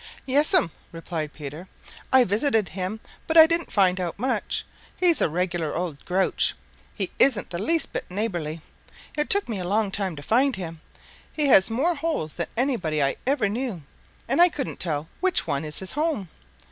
"Yes'm," replied Peter, "I visited him, but I didn't find out much. He's a regular old grouch. He isn't the least bit neighborly. It took me a long time to find him. He has more holes than anybody I ever knew, and I couldn't tell which one is his home.